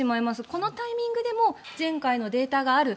このタイミングでも前回のデータがある。